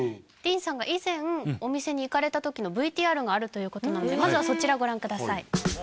ディーンさんが以前お店に行かれた時のＶＴＲがあるということなのでまずはそちらご覧ください